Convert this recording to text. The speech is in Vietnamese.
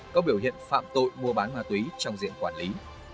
có biểu hiện phạm tội mua bán ma túy trong diện quản lý